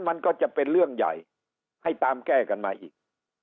มันก็จะเป็นเรื่องใหญ่ให้ตามแก้กันมาอีก